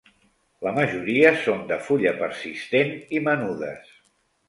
La majoria són de fulla persistent i menudes.